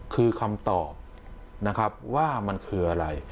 คือคำตอบว่ามันคืออะไร